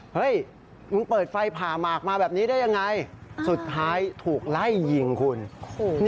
เฮ้ยมึงเปิดไฟผ่าหมากมาแบบนี้ได้ยังไงสุดท้ายถูกไล่ยิงคุณโอ้โห